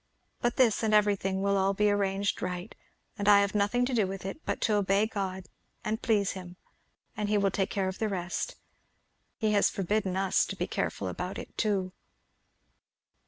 But this and everything will all be arranged right, and I have nothing to do with it but to obey God and please him, and he will take care of the rest. He has forbidden us to be careful about it too."